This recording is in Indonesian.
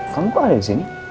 kamu kok ada di sini